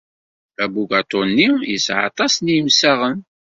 Abugaṭu-nni yesɛa aṭas n yemsaɣen.